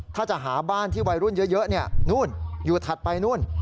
ถ้าจะหาบ้านที่วัยรุ่นเยอะนู่นอยู่ถัดไปนู่น